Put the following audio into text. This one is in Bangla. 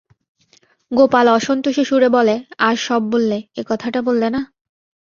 গোপাল অসন্তোষের সুরে বলে, আর সব বললে, একথাটা বললে না?